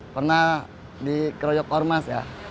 pernah di kroyok ormas